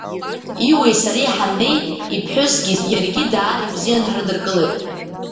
Иуеи сареи ҳаннеи, иԥҳәысгьы иаргьы даара ибзианы ҳрыдыркылеит.